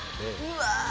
うわ。